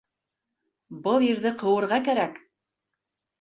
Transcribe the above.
Был ирҙе ҡыуырға кәрәк.